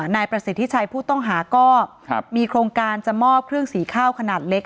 นายประสิทธิชัยผู้ต้องหาก็มีโครงการจะมอบเครื่องสีข้าวขนาดเล็ก